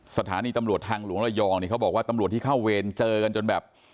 สถานีตำรวจทางหลวงระยองเนี่ยเขาบอกว่าตำรวจที่เข้าเวรเจอกันจนแบบ